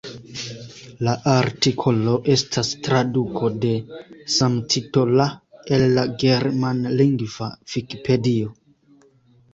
La artikolo estas traduko de samtitola el la germanlingva Vikipedio.